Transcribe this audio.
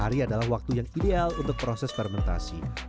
hari adalah waktu yang ideal untuk proses fermentasi